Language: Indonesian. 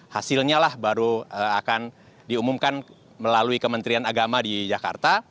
hasilnya lah baru akan diumumkan melalui kementerian agama di jakarta